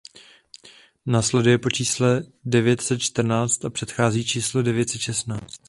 Následuje po čísle devět set čtrnáct a předchází číslu devět set šestnáct.